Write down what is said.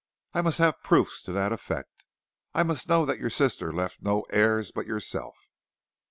"I must have proofs to that effect. I must know that your sister left no heirs but yourself."